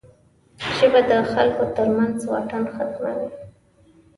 ژبه د خلکو ترمنځ واټن ختموي